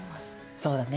そうだね。